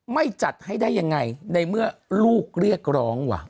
ไม่จัดให้ได้ยังไงในเมื่อลูกเรียกร้องว่ะ